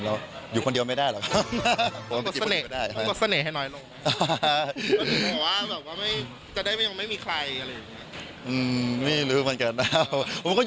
แล้วอยู่คนเดียวไม่ได้หรอก